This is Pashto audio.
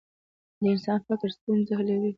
د انسان فکر ستونزې حلوي.